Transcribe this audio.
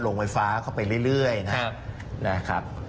ลงไฟฟ้าเข้าไปเรื่อยนะครับ